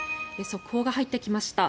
速報が入ってきました。